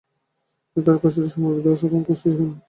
তিনি তার কৈশোরে সমরবিদ্যা, অশ্বারোহণ ও কুস্তি শেখেন।